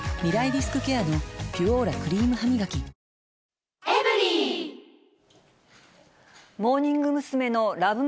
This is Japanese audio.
リスクケアの「ピュオーラ」クリームハミガキモーニング娘。のＬＯＶＥ